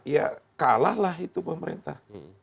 ya kalahlah itu pemerintah